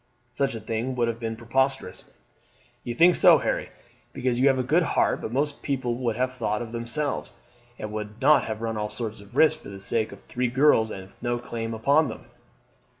Such a thing would have been preposterous." "You think so, Harry, because you have a good heart; but most people would have thought of themselves, and would not have run all sorts of risks for the sake of three girls with no claim upon them."